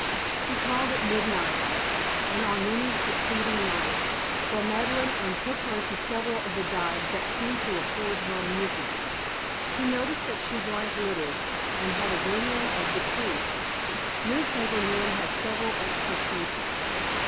He called at midnight and on many succeeding nights for Madeleine and took her to several of the dives that seemed to afford her amusement. He noticed that she drank little, and had a glimmering of the truth. Newspaper men have several extra senses.